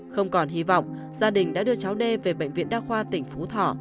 không còn hy vọng gia đình đã đưa cháu đê về bệnh viện đa khoa tỉnh phú thọ